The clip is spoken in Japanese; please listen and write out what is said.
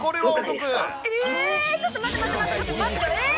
えー、ちょっと待って待って待って、えー？